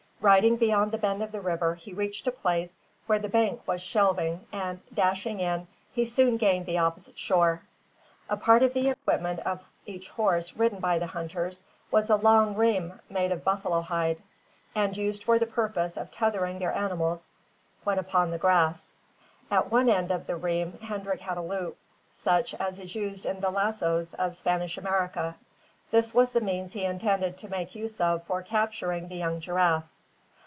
Riding beyond the bend of the river, he reached a place where the bank was shelving and, dashing in, he soon gained the opposite shore. A part of the equipment of each horse ridden by the hunters was a long rheim made of buffalo hide, and used for the purpose of tethering their animals when upon the grass. At one end of the rheim Hendrik had a loop, such as is used in the lazos of Spanish America. This was the means he intended to make use of for capturing the young giraffes.